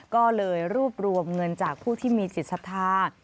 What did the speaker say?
ก็เลยรูปรวมเงินจากผู้ที่มีศิษฐา